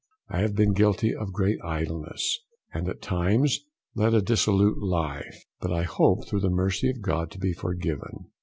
I have been guilty of great idleness, and at times led a dissolute life, but I hope through the mercy of God to be forgiven.